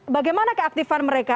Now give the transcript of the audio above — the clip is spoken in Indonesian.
bagaimana keaktifan mereka